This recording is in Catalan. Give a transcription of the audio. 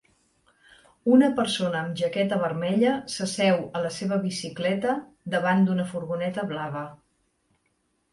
Una persona amb jaqueta vermella s'asseu a la seva bicicleta, davant d'una furgoneta blava.